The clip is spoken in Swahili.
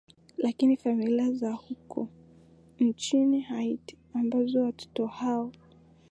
lakini familia za huko nchini haiti ambazo watoto hao